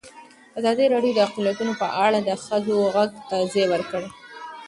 ازادي راډیو د اقلیتونه په اړه د ښځو غږ ته ځای ورکړی.